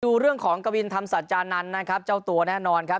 ดูเรื่องของกวินธรรมสัจจานันทร์นะครับเจ้าตัวแน่นอนครับ